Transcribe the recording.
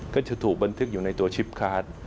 ก็จะถูกบันทึกอยู่ในตัวชิปคาร์ด